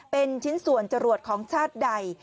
เป็นชิ้นส่วนจรวดของชาติใด